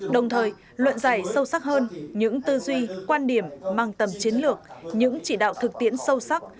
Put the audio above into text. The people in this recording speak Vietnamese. đồng thời luận giải sâu sắc hơn những tư duy quan điểm mang tầm chiến lược những chỉ đạo thực tiễn sâu sắc